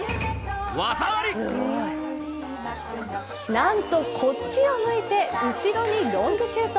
なんと、こっちを向いて後ろにロングシュート。